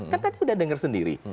kan tadi udah dengar sendiri